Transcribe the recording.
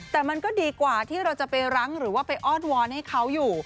แต่มันก็ดีกว่าที่เราจะไปรั้งหรือว่าไปอ้อนวอนให้เขาอยู่